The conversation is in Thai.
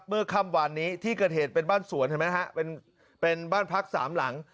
เมื่อค่ำวานนี้ที่เกิดเหตุเป็นบ้านสวนเห็นไหมฮะเป็นบ้านพักสามหลัง